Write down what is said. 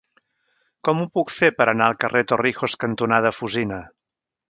Com ho puc fer per anar al carrer Torrijos cantonada Fusina?